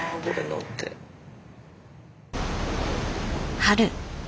春。